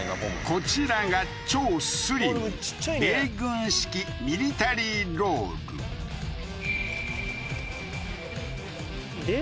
こちらが超スリム米軍式ミリタリーロールで？